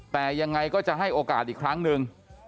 แต่ยังไงก็จะให้โอกาสอีกครั้งหนึ่ง